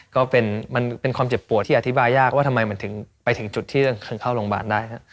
ก็เป็นความเจ็บปวดที่อธิบายยากว่าทำไมมันไปถึงจุดที่เข้าโรงบาลได้